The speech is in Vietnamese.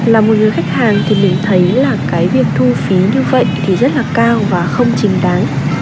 là một người khách hàng thì mình thấy là cái việc thu phí như vậy thì rất là cao và không trình đáng